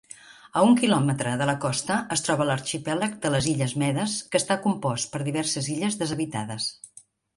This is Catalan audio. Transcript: A un quilòmetre de la costa es troba l'arxipèlag de les Illes Medes, que està compost per diverses illes deshabitades.